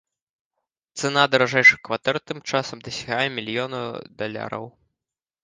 Цана даражэйшых кватэр тым часам дасягае мільёна даляраў.